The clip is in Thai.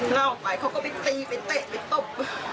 เล่าออกไปเขาก็ไปตีไปเตะไปตบ